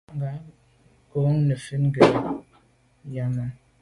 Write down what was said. Ngab kô nefèt ngefet yàme.